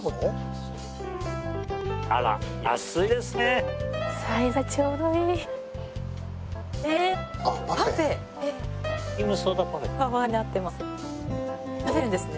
あら安いですね。